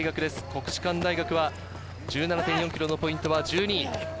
国士舘大学は１７．４ｋｍのポイントは１２位。